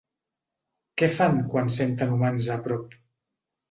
Què fan quan senten humans a prop?